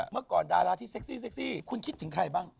เมื่อก่อนดาราที่เซ็กซี่เซ็กซี่คุณคิดถึงใครบ้าง